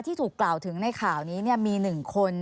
ที่ถูกกล่าวถึงในข่าวนี้มี๑คน